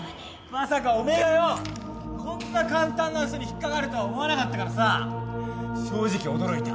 まさかお前がよこんな簡単な嘘に引っ掛かるとは思わなかったからさ正直驚いた。